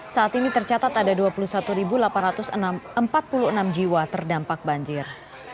saat ini tercatat ada dua puluh satu delapan ratus empat puluh enam jiwa terdampak banjir